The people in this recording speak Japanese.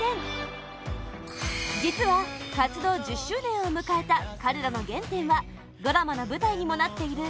実は、活動１０周年を迎えた彼らの原点はドラマの舞台にもなっている